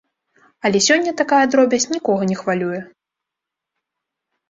Але сёння такая дробязь нікога не хвалюе.